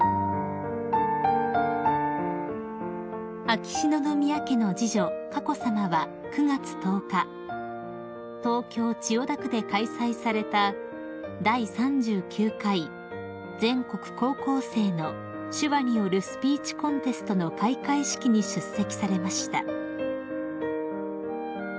［秋篠宮家の次女佳子さまは９月１０日東京千代田区で開催された第３９回全国高校生の手話によるスピーチコンテストの開会式に出席されました］